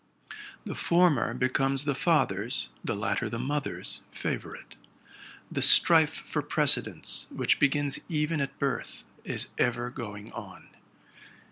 The former becomes the father's, the latter the mother's, favorite. The strife for precedence, which begins even at birth, is ever going on.